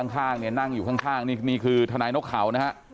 ข้างเนี่ยนั่งอยู่ข้างนี่คือทนายนกเขานะฮะ